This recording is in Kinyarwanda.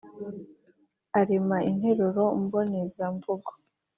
arema interuro mboneza mvugo